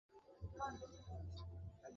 আমার মানিব্যাগ হারিয়ে গেছে কীভাবে?